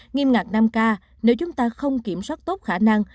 nghiêm ngặt năm k nếu chúng ta không kiểm soát tốt khả năng